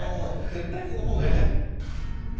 絶対その方がいい。